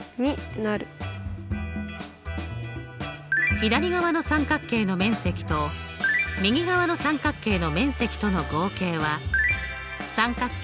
左側の三角形の面積と右側の三角形の面積との合計は三角形